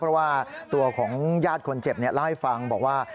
เพราะว่าตัวของญาติคนเจ็บเล่าให้ฟังบอกว่า